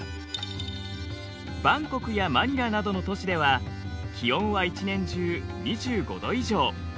バンコクやマニラなどの都市では気温は一年中２５度以上。